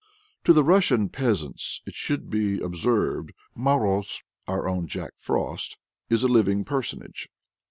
To the Russian peasants, it should be observed, Moroz, our own Jack Frost, is a living personage.